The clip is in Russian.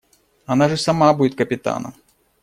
Она же сама будет капитаном.